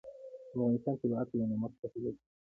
د افغانستان طبیعت له نمک څخه جوړ شوی دی.